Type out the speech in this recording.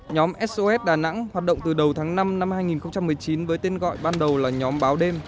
nhóm sos đà nẵng hoạt động từ đầu tháng năm năm hai nghìn một mươi chín với tên gọi ban đầu là nhóm báo đêm